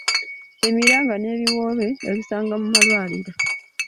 Emiranga n'ebiwoobe obisanga mu malwaliro.